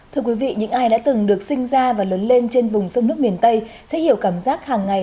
thưa quý vị những ai đã từng được sinh ra và lớn lên trên vùng sông nước miền tây sẽ hiểu cảm giác hàng ngày